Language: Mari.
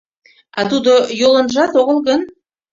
А тудо йолынжат огыл гын?